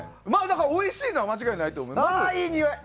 おいしいのは間違いないと思います。